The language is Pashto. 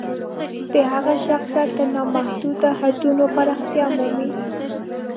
د هغه شخصیت تر نامحدودو حدونو پراختیا مومي.